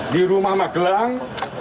di rumah magelang